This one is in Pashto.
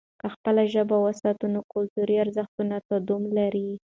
که خپله ژبه وساتو، نو کلتوري ارزښتونه تداوم لري.